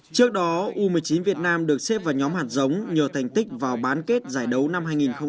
trước đó u một mươi chín việt nam được xếp vào nhóm hạt giống nhờ thành tích vào bán kết giải đấu năm hai nghìn một mươi tám